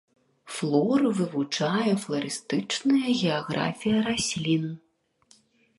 Флору вывучае фларыстычная геаграфія раслін.